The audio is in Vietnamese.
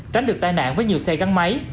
tránh được tai nạn với nhiều xe gắn máy